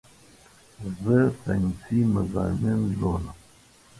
زه سائنسي مضامين لولم